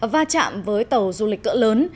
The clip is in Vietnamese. va chạm với tàu du lịch cỡ lớn